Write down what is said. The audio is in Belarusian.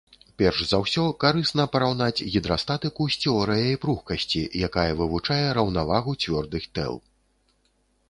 Перш за ўсё, карысна параўнаць гідрастатыку з тэорыяй пругкасці, якая вывучае раўнавагу цвёрдых тэл.